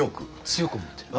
強く思ってる？